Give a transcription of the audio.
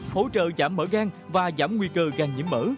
hỗ trợ giảm mỡ gan và giảm nguy cơ gan nhiễm mỡ